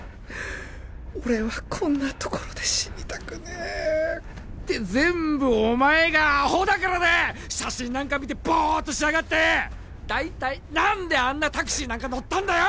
俺はこんなところで死にたくねえて全部お前がアホだからだ写真なんか見てボーッとしやがって大体何であんなタクシーなんか乗ったんだよ